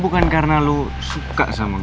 bukan karena lo suka sama lo